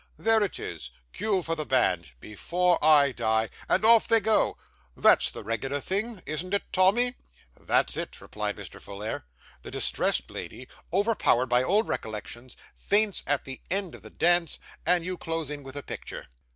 There it is cue for the band, BEFORE I DIE, and off they go. That's the regular thing; isn't it, Tommy?' 'That's it,' replied Mr. Folair. 'The distressed lady, overpowered by old recollections, faints at the end of the dance, and you close in with a picture.